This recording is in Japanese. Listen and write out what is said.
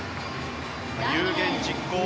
有言実行。